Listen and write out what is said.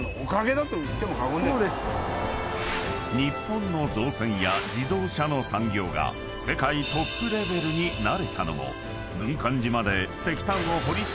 ［日本の造船や自動車の産業が世界トップレベルになれたのも軍艦島で］